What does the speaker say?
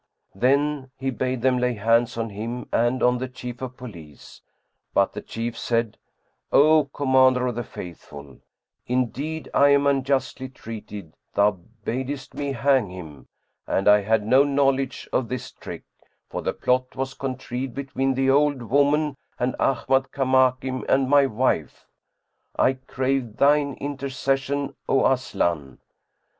Then he bade them lay hands on him and on the Chief of Police, but the Chief said, "O Commander of the Faithful, indeed I am unjustly treated thou badest me hang him, and I had no knowledge of this trick, for the plot was contrived between the old woman and Ahmad Kamakim and my wife. I crave thine intercession,[FN#114] O Aslan."